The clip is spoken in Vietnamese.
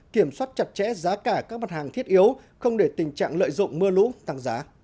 kiểm soát chặt chẽ giá cả các mặt hàng thiết yếu không để tình trạng lợi dụng mưa lũ tăng giá